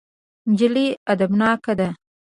نجلۍ ادبناکه ده.